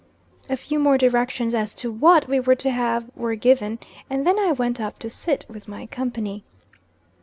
A few more directions as to what we were to have were given, and then I went up to sit with my company.